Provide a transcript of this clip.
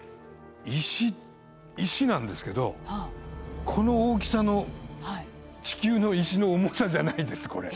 石石なんですけどこの大きさの地球の石の重さじゃないですこれ。